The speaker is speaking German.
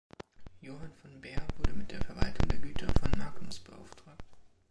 Johann von Behr wurde mit der Verwaltung der Güter von Magnus beauftragt.